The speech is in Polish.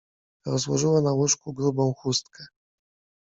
Rozłożyła na łóżku grubą chustkę.